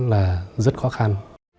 là rất khó khăn